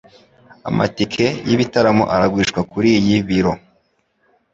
Amatike y'ibitaramo aragurishwa kuriyi biro.